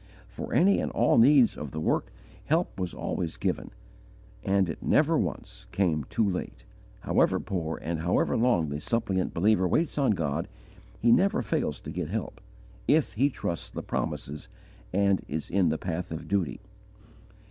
For any and all needs of the work help was always given, and it never once came too late. However poor, and however long the suppliant believer waits on God, he never fails to get help, if he trusts the promises and is in the path of duty.